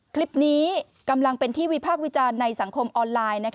คลิปนี้กำลังเป็นที่วิพากษ์วิจารณ์ในสังคมออนไลน์